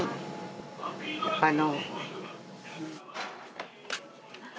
あの。